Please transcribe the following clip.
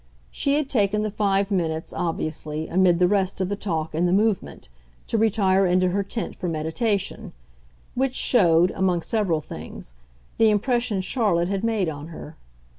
She had taken the five minutes, obviously, amid the rest of the talk and the movement, to retire into her tent for meditation which showed, among several things, the impression Charlotte had made on her.